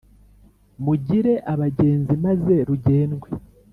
mugire abagenzi maze rugendwe